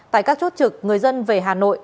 tại các chốt trực người dân về hà nội